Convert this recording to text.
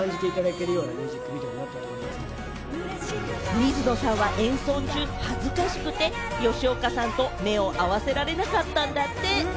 水野さんは演奏中、恥ずかしくて吉岡さんと目を合わせられなかったんだって。